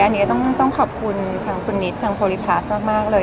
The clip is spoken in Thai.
อันนี้ต้องขอบคุณทางคุณนิดทางโพลิพาสมากเลย